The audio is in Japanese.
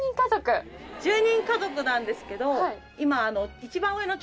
１０人家族なんですけど今一番上の。